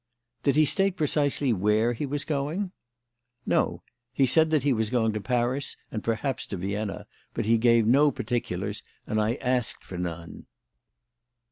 "Did he state precisely where he was going?" "No. He said that he was going to Paris and perhaps to Vienna, but he gave no particulars and I asked for none."